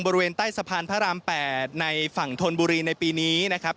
บริเวณใต้สะพานพระราม๘ในฝั่งธนบุรีในปีนี้นะครับ